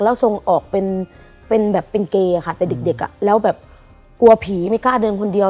แล้วทรงออกเป็นแบบเป็นเกย์ค่ะแต่เด็กอ่ะแล้วแบบกลัวผีไม่กล้าเดินคนเดียว